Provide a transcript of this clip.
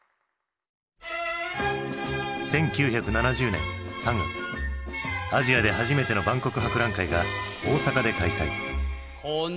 １９７０年３月アジアで初めての万国博覧会が大阪で開催。